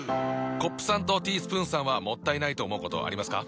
コップさんとティースプーンさんはもったいないと思うことありますか？